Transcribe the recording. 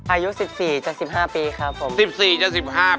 อายุ๑๔๑๕ปีครับผม